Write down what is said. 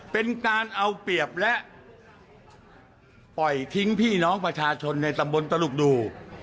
เป็นการเอาเปรียบและปล่อยทิ้งพี่น้องประชาชนในตำบลตลุกดู